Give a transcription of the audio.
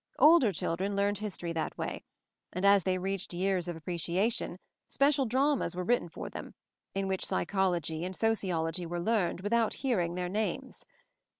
Older children learned history that way; and as they reached years of appreciation, special dramas were written for them, in which MOVING THE MOUNTAIN 227 psychology and sociology were learned with out hearing their names.